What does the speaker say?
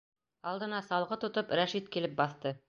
Алдына салғы тотоп Рәшит килеп баҫты.